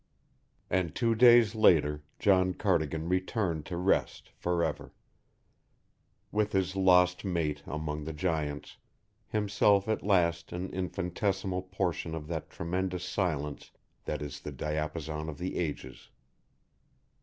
And two days later John Cardigan returned to rest forever with his lost mate among the Giants, himself at last an infinitesimal portion of that tremendous silence that is the diapason of the ages.